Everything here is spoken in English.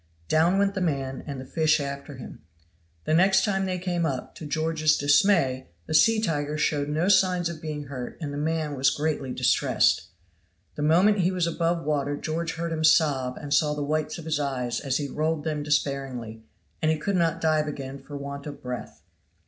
Down went the man, and the fish after him. The next time they came up, to George's dismay, the sea tiger showed no signs of being hurt and the man was greatly distressed. The moment he was above water George heard him sob, and saw the whites of his eyes, as he rolled them despairingly; and he could not dive again for want of breath.